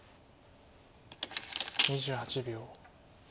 ２８秒。